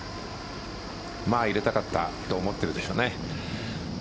入れたかったと思っているでしょうね。